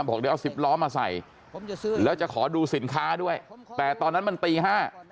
บอกเดี๋ยวเอาสิบล้อมาใส่แล้วจะขอดูสินค้าด้วยแต่ตอนนั้นมันตีห้า